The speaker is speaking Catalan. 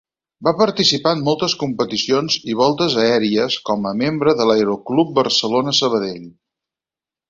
Va participar en moltes competicions i voltes Aèries com a membre de l’Aeroclub Barcelona-Sabadell.